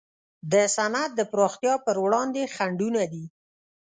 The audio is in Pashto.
د صنعت د پراختیا پر وړاندې خنډونه دي.